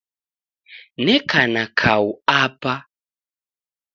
Neka na kau Apa.